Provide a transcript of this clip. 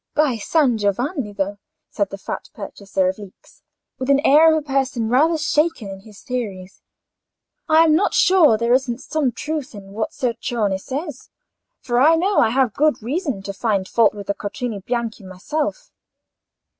"By San Giovanni, though," said the fat purchaser of leeks, with the air of a person rather shaken in his theories, "I am not sure there isn't some truth in what Ser Cioni says. For I know I have good reason to find fault with the quattrini bianchi myself.